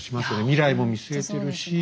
未来も見据えてるし。